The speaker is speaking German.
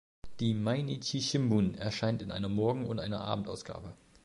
Die "Mainichi Shimbun" erscheint in einer Morgen- und einer Abendausgabe.